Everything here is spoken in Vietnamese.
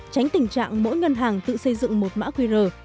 tránh tình trạng mỗi ngân hàng tự xây dựng một mã qr